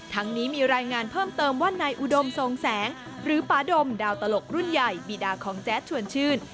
ทั้งนี้มีรายงานเพิ่มเติมว่านายอุดมทรงแสงหรือปาดมดาวตลกรุ่นใหญ่บีดาของแจ๊ดชวนชื่น